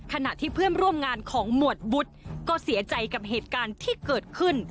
ขณะที่เพื่อนร่วมงานของหมวดวุฒิก็เสียใจกับเหตุการณ์ที่เกิดขึ้น